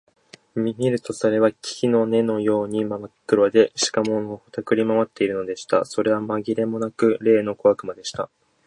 見るとそれは木の根のようにまっ黒で、しかも、のたくり廻っているのでした。それはまぎれもなく、例の小悪魔でした。